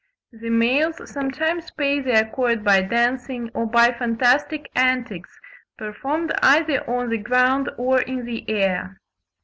The males sometimes pay their court by dancing, or by fantastic antics performed either on the ground or in the air.